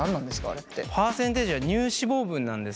あれって。